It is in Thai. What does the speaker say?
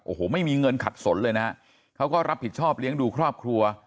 โอ้โหไม่มีเงินขัดสนเลยนะฮะเขาก็รับผิดชอบเลี้ยงดูครอบครัว